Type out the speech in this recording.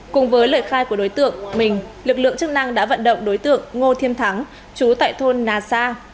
cùng với lời khai của đối tượng mình lực lượng chức năng đã vận động đối tượng ngô thiêm thắng chú tại thôn nà sa